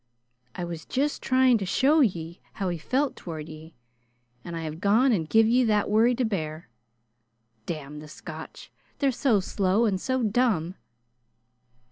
I was just tryin' to show ye how he felt toward ye, and I've gone an' give ye that worry to bear. Damn the Scotch! They're so slow an' so dumb!"